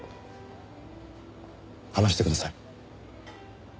話してください。